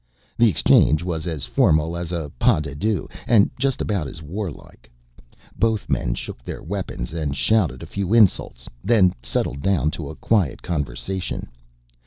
The exchange was as formal as a pas de deux and just about as warlike. Both men shook their weapons and shouted a few insults, then settled down to a quiet conversation.